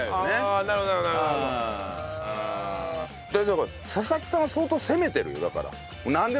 だから佐々木さんは相当攻めてるよだから。